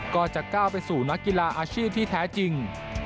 ก็จะก้าวไปสู่นักกีฬาอาชีพที่แท้จริง